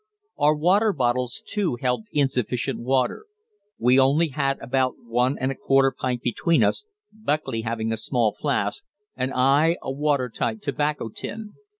Our water bottles too held insufficient water: we only had about one and a quarter pint between us, Buckley having a small flask and I a watertight tobacco tin.